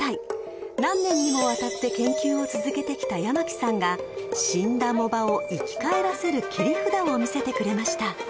［何年にもわたって研究を続けてきた山木さんが死んだ藻場を生き返らせる切り札を見せてくれました］